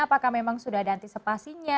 apakah memang sudah ada antisipasinya